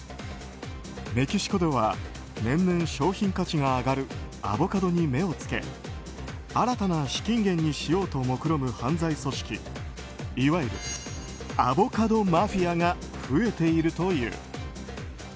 メキシコでは年々商品価値が上がるアボカドに目をつけ新たな資金源にしようともくろむ犯罪組織いわゆるアボカドマフィアが増えているという。